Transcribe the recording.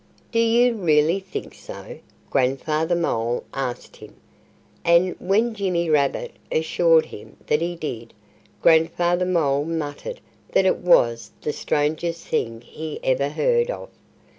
"Do you really think so?" Grandfather Mole asked him. And when Jimmy Rabbit assured him that he did, Grandfather Mole muttered that it was the strangest thing he ever heard of.